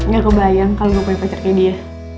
gak kebayang kalau gak boleh pacar kayak dia